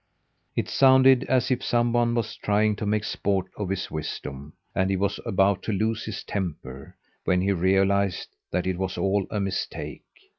It sounded as if some one was trying to make sport of his wisdom and he was about to lose his temper, when he realized that it was all a mistake.